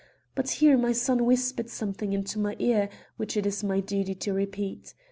But here my son whispered something into my ear, which it is my duty to repeat.